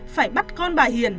phải bắt con bà hiền